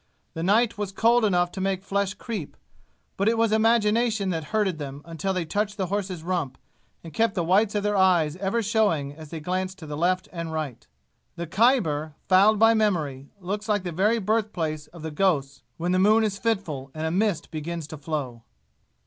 The night was cold enough to make flesh creep; but it was imagination that herded them until they touched the horse's rump and kept the whites of their eyes ever showing as they glanced to left and right. The Khyber, fouled by memory, looks like the very birthplace of the ghosts when the moon is fitful and a mist begins to flow.